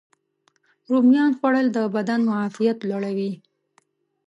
رومیانو خوړل د بدن معافیت لوړوي.